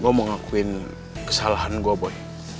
gue mau ngakuin kesalahan gue boleh